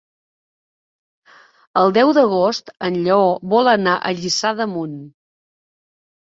El deu d'agost en Lleó vol anar a Lliçà d'Amunt.